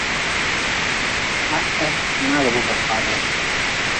Ha he mngagbe ba fad-wu.